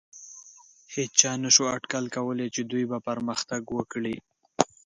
هېچا نهشو اټکل کولی، چې دوی به پرمختګ وکړي.